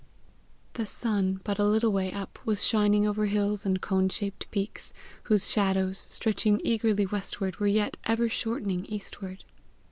The sun, but a little way up, was shining over hills and cone shaped peaks, whose shadows, stretching eagerly westward, were yet ever shortening eastward.